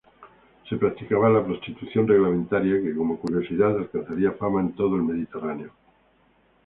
Se practicaba la prostitución reglamentada que, como curiosidad, alcanzaría fama en todo el Mediterráneo.